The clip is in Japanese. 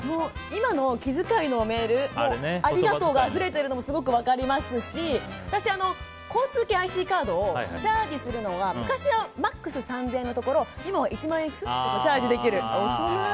今の気遣いのメールありがとうがあふれているのもすごく分かりますし私、交通系ＩＣカードをチャージするのが、昔はマックス３０００円のところを今は１万円ふっとチャージできる。